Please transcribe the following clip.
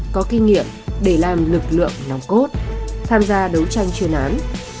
có kinh nghiệm để làm lực lượng nòng cốt tham gia đấu tranh chuyên án